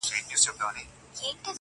ویل خدایه تا ویل زه دي پالمه؛